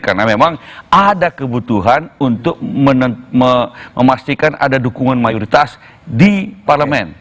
karena memang ada kebutuhan untuk memastikan ada dukungan mayoritas di parlement